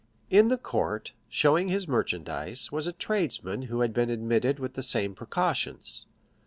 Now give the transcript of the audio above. In the court showing his merchandise, was a tradesman who had been admitted with the same precautions.